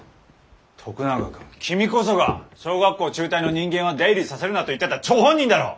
徳永君君こそが小学校中退の人間は出入りさせるなと言ってた張本人だろう！？